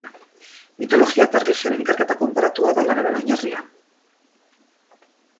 Mitologia eta erlijioaren ikerketa konparatua da lanaren oinarria.